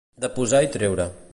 De posar i treure.